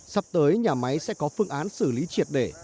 sắp tới nhà máy sẽ có phương án xử lý triệt để